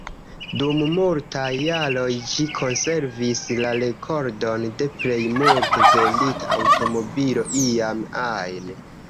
Dum multaj jaroj, ĝi konservis la rekordon de plej multe vendita aŭtomobilo iam ajn.